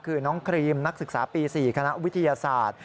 คือน้องครีมนักศึกษาปี๔คณะวิทยาศาสตร์